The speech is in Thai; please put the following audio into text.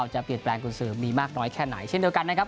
เช่นเดียวกันนะครับ